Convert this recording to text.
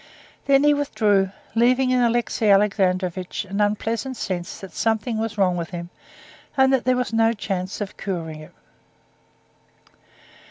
Then he withdrew, leaving in Alexey Alexandrovitch an unpleasant sense that something was wrong with him, and that there was no chance of curing it.